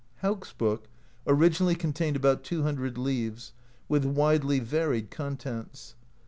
Hauk's Book originally contained about 200 leaves, with widely varied contents.